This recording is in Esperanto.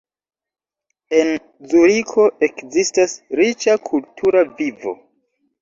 En Zuriko ekzistas riĉa kultura vivo.